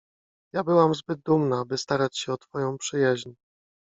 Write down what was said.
— Ja byłam zbyt dumna, by starać się o twoją przyjaźń.